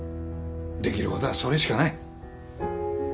できることはそれしかない。